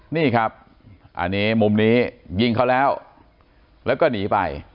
นี่ครับอันนี้มุมนี้ยิงเขาแล้วแล้วก็หนีไป